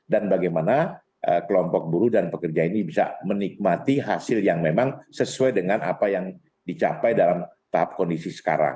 dan bagaimana kelompok buruh dan pekerja ini bisa menikmati hasil yang memang sesuai dengan apa yang dicapai dalam tahap kondisi sekarang